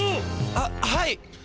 あっはい！